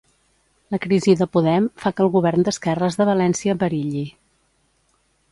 La crisi de Podem fa que el govern d'esquerres de València perilli.